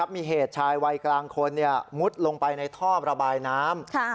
มีเหตุชายวัยกลางคนมุดลงไปในท่อระบายน้ำ